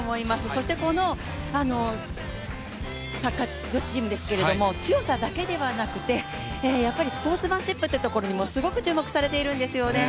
そして、このサッカー女子チームですけれども、強さだけではなくて、スポーツマンシップというところにもすごく注目されているんですよね。